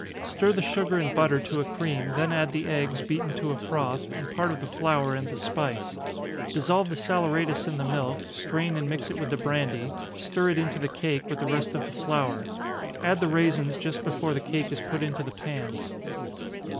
Stir the sugar and butter to a cream, then add the eggs, beaten to a froth, and part of the flour and the spice dissolve the saleratus in the milk, strain and mix it with the brandy, stir it into the cake, with the rest of the flour add the raisins just before the cake is put into the pans.